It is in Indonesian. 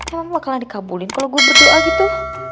emang bakalan dikabulin kalau gue berdoa gitu